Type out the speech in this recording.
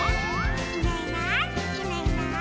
「いないいないいないいない」